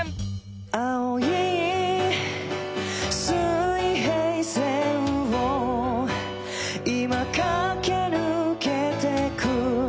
「青い水平線をいま駆け抜けてく」